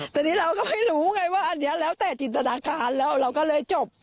แต่นี่เราก็ไม่รู้ไงว่าอันนี้แล้วแต่จินตนาการแล้วเราก็เลยจบ